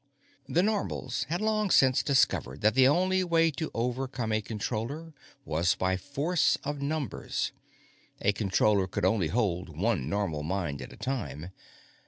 The Normals had long since discovered that the only way to overcome a Controller was by force of numbers. A Controller could only hold one Normal mind at a time.